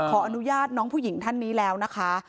ขออนุญาตน้องผู้หญิงท่านนี้แล้วนะคะ